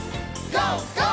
ＧＯ！